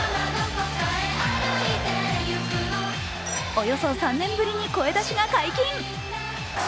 およそ３年ぶりに声出しが解禁。